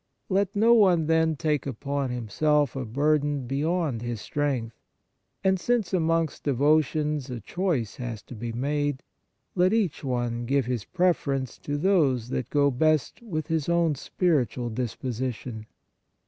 Let no one, then, take upon himself a burden beyond his strength ; and, since amongst devotions a choice has to be made, let each one give his preference to those that go best with his own spiritual disposition.